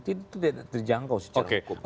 itu tidak terjangkau secara hukum